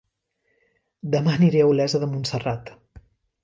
Dema aniré a Olesa de Montserrat